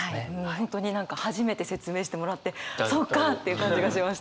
本当に何か初めて説明してもらって「そっか」っていう感じがしましたね。